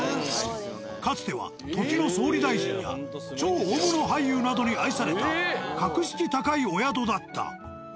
かつては時の総理大臣や超大物俳優などに愛された格式高いお宿だった。